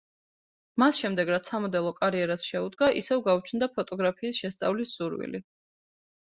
მას შემდეგ რაც სამოდელო კარიერას შეუდგა, ისევ გაუჩნდა ფოტოგრაფიის შესწავლის სურვილი.